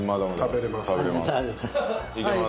食べれます。